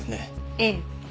ええ。